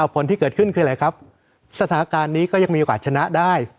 ผลที่เกิดขึ้นคืออะไรครับสถานการณ์นี้ก็ยังมีโอกาสชนะได้